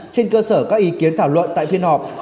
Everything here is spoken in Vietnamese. trên cơ sở các ý kiến thảo luận tại phiên họp